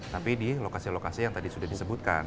tapi di lokasi lokasi yang tadi sudah disebutkan